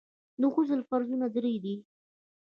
د غسل فرضونه درې دي.